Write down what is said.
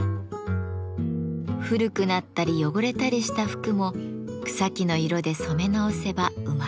古くなったり汚れたりした服も草木の色で染め直せば生まれ変わる。